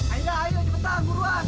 aida ayo cepetan buruan